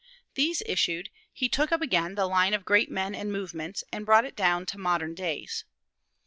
These issued, he took up again the line of great men and movements, and brought it down to modern days.